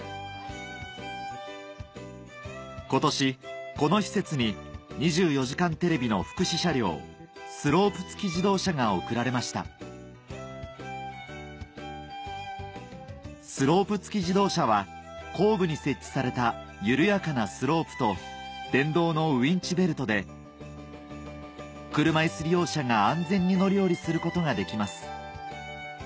今年この施設に『２４時間テレビ』の福祉車両が贈られましたスロープ付き自動車は後部に設置された緩やかなスロープと電動のウインチベルトで車いす利用者が安全に乗り降りすることができます